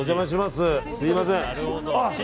すみません。